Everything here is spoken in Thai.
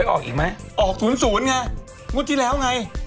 ออกอีกไหมออก๐๐ไงงวดที่แล้วไง